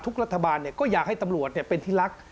รัฐบาลก็อยากให้ตำรวจเป็นที่รัก